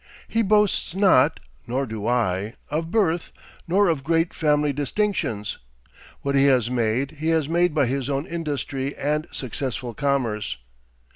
He boasts not, nor do I, of birth, nor of great family distinctions. What he has made, he has made by his own industry and successful commerce.